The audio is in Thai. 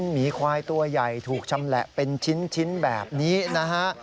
หมีควายตัวใหญ่ถูกชำแหละเป็นชิ้นแบบนี้นะฮะ